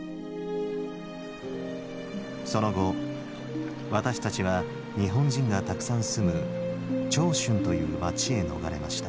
その後私たちは日本人がたくさん住む長春という町へ逃れました。